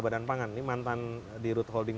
badan pangan ini mantan di root holding